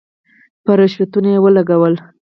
په رشوتونو ولګولې.